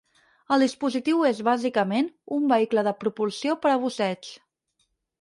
El dispositiu és bàsicament, un vehicle de propulsió per a busseig.